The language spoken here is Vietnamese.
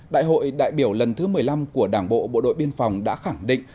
đại hội đại biểu lần thứ một mươi năm của đảng bộ bộ đội biên phòng đã khẳng định